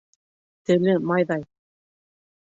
Теле майҙай